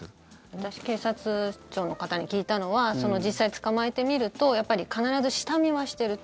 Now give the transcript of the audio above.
私警察庁の方に聞いたのは実際、捕まえてみるとやっぱり必ず下見はしてると。